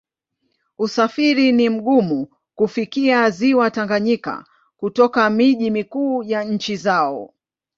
Usafiri ni mgumu kufikia Ziwa Tanganyika kutoka miji mikuu ya nchi zao.